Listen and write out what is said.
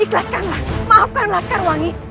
ikhlaskanlah maafkanlah sekarwangi